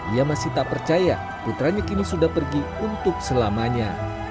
ia masih tak percaya putranya kini sudah pergi untuk selamanya